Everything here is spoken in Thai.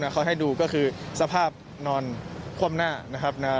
เขาให้ดูคือสภาพนอนคว่ำหน้า